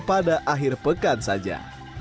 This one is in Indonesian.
pada akhir pekan saja